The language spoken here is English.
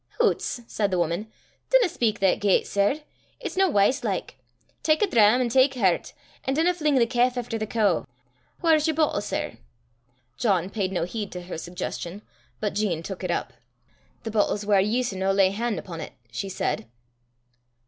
"Hoots!" said the woman, "dinna speyk that gait, sir. It's no wice like. Tak a dram, an' tak hert, an' dinna fling the calf efter the coo. Whaur's yer boatle, sir?" John paid no heed to her suggestion, but Jean took it up. "The boatle's whaur ye s' no lay han' upo' 't," she said.